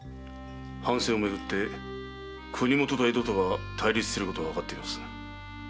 藩政をめぐって国許と江戸とが対立してるのはわかっています。